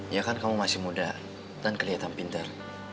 ya kan kamu masih muda dan kelihatan pintar